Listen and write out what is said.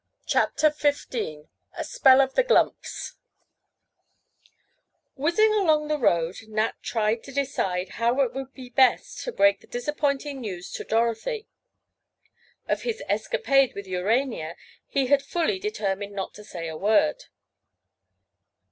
CHAPTER XV A SPELL OF THE "GLUMPS" Whizzing along the road Nat tried to decide how it would be best to break the disappointing news to Dorothy. Of his escapade with Urania he had fully determined not to say a word.